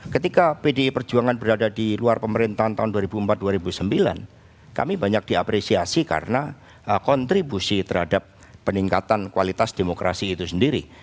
ketika pdi perjuangan berada di luar pemerintahan tahun dua ribu empat dua ribu sembilan kami banyak diapresiasi karena kontribusi terhadap peningkatan kualitas demokrasi itu sendiri